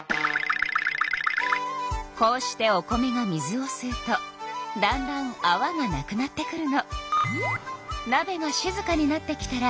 こうしてお米が水をすうとだんだんあわがなくなってくるの。